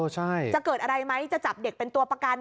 ใช่จะเกิดอะไรไหมจะจับเด็กเป็นตัวประกัน